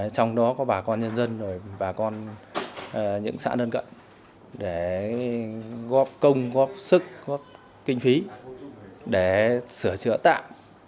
trong đó có bà con nhân dân bà con những xã nân cận để góp công góp sức góp kinh phí để sửa chữa tạm